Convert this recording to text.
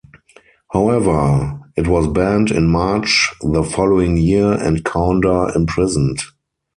However, it was banned in March the following year and Kaunda imprisoned.